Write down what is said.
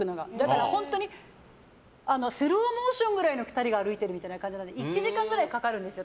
本当にスローモーションぐらいの２人が歩いているぐらいの感じなんで１時間ぐらいかかるんですよ。